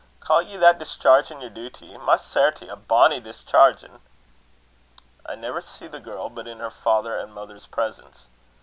Ca' ye that dischairgin' yer duty? My certie! a bonny dischairgin'!" "I never see the girl but in her father and mother's presence."